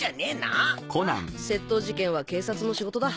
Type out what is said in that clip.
あぁ窃盗事件は警察の仕事だ。